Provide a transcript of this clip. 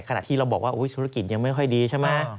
ขณะที่เราบอกว่าธุรกิจยังไม่ค่อยดีใช่ไหม